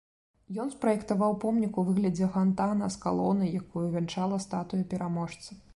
Ён спраектаваў помнік у выглядзе фантана з калонай, якую вянчала статуя пераможца.